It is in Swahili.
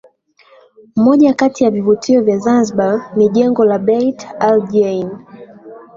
Moja kati ya vivutio vya Zanzibar ni jengo la beit Al Jain